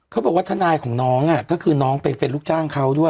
เขาบอกว่าทนายของน้องก็คือน้องไปเป็นลูกจ้างเขาด้วย